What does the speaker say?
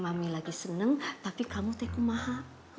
kami lagi seneng tapi kamu tekum maha